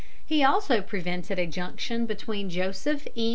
He also prevented a junction between Joseph E.